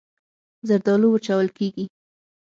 زردالو وچول کېږي.